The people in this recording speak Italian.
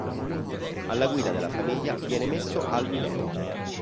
Alla guida della famiglia viene messo Al Mineo.